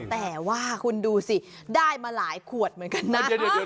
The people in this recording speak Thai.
แต่ว่าคุณดูสิได้มาหลายขวดเหมือนกันนะ